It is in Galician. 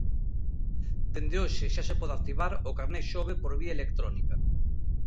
Dende hoxe xa se pode activar o Carné Xove por vía electrónica.